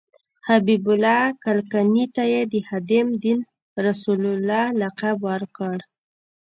حبیب الله کلکاني ته یې د خادم دین رسول الله لقب ورکړ.